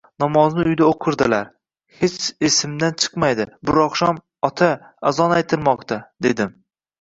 namozni uyda o'qirdilar, Hech zsimdan chiqmaydi, bir oqshom:"Ota, azon aytilmoqda", — dedim.